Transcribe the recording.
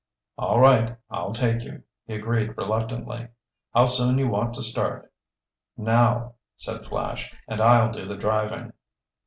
"All right, I'll take you," he agreed reluctantly. "How soon you want to start?" "Now," said Flash. "And I'll do the driving."